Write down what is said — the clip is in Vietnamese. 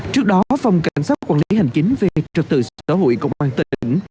trước đó phòng cảnh sát quản lý hành chính về trật tự xã hội công an tỉnh